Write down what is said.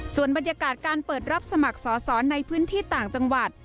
ส่วนบรรยากาศการเปิดรับสมัครสอสอนในพื้นที่ต่างจังหวัด